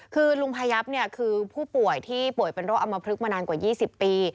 คือลุงพยับคือผู้ป่วยที่ป่วยเป็นโรคอำมพลึกมานานกว่า๒๐ปี